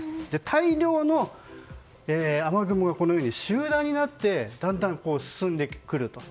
大量の雨雲が集団になってだんだん進んでくると。